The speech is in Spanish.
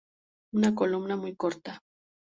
Una columna muy corta.